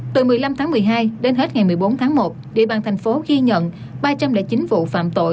từ một mươi năm tháng một mươi hai đến hết ngày một mươi bốn tháng một địa bàn thành phố ghi nhận ba trăm linh chín vụ phạm tội